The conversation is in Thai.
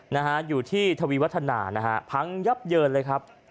นะฮะอยู่ที่ทวีวัฒนานะฮะพังยับเยินเลยครับ